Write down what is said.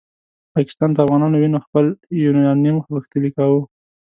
پاکستان په افغانانو وینو خپل یورانیوم غښتلی کاوه.